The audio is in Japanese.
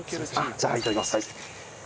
じゃあ頂きます。